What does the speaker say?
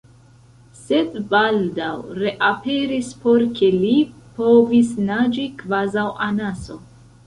sed baldaŭ reaperis por ke, li povis naĝi kvazaŭ anaso.